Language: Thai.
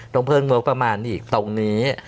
ต้องเพิ่มงบประมาณอีกตรงนี้